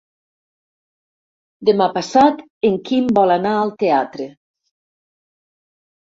Demà passat en Quim vol anar al teatre.